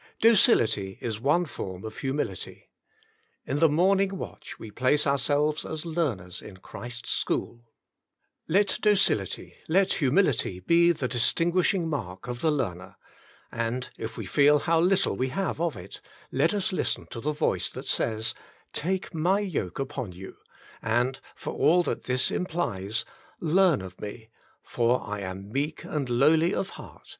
Docility is one form of humility. In the morn ing watch we place ourselves as learners in Christ's 90 The Inner Chamber school; let docility, let humility be the distin guishing mark of the learner, and, if we feel how little we have of it, let us listen to the voice that says, " Take My yoke upon you,^^ and, for all that this implies — "learn of Me, for I am meek and lowly of heart.